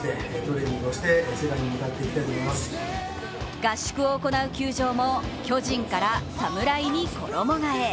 合宿を行う球場も巨人から侍に衣がえ。